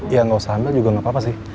ya gak usah hamil juga gak apa apa sih